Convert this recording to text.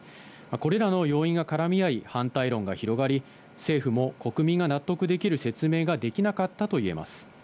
これらの要因が絡み合い、反対論が広がり、政府も国民が納得できる説明ができなかったといえます。